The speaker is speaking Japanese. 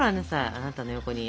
あなたの横に！